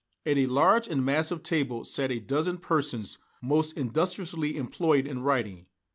At a large and massive table sat a dozen persons most industriously employed in writing.